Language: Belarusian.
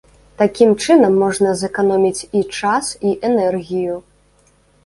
Такім чынам можна зэканоміць і час, і энергію.